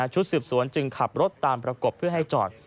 ชุดสืบสวนจึงขับรถตามประกบเพื่อให้จอด